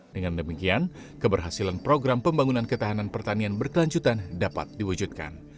dengan demikian keberhasilan program pembangunan ketahanan pertanian berkelanjutan dapat diwujudkan